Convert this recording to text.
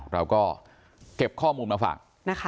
เราก็เก็บข้อมูลมาฝากนะคะ